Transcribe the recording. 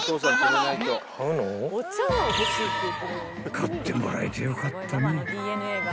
［買ってもらえてよかったね］